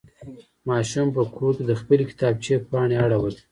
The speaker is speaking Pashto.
ماشوم په کور کې د خپلې کتابچې پاڼې اړولې.